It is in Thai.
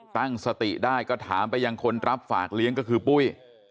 ตั้งสติได้ก็ถามไปยังคนรับฝากเลี้ยงก็คือปุ้ย